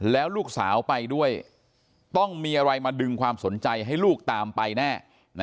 แล้วลูกสาวไปด้วยต้องมีอะไรมาดึงความสนใจให้ลูกตามไปแน่